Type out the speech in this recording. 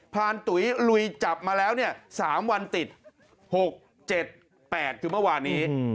รานตุ๋ยลุยจับมาแล้ว๓วันติด๖๗๘คือเมื่อวานนี้